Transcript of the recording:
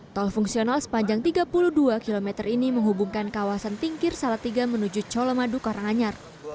tol fungsional sepanjang tiga puluh dua km ini menghubungkan kawasan tingkir salatiga menuju colomadu karanganyar